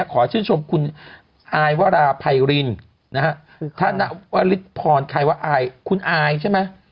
ขอชื่นชมคุณอายวาราภัยรินคุณอายใช่ไหม